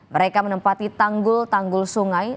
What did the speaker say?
mereka menempati tanggul tanggul sungai